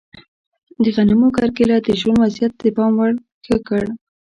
د غنمو کرکیله د ژوند وضعیت د پام وړ ښه کړ.